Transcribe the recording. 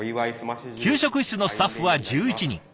給食室のスタッフは１１人。